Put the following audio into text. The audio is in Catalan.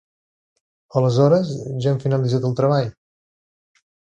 Aleshores ja hem finalitzat el treball?